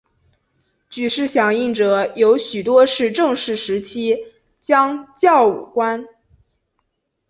举事响应者有许多是郑氏时期将校武官。